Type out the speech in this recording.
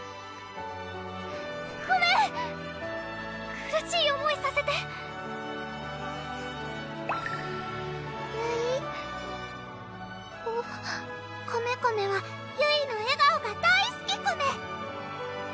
苦しい思いさせてゆいコメコメはゆいの笑顔が大すきコメ！